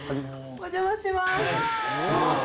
お邪魔します。